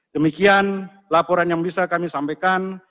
demikian laporan yang bisa kami sampaikan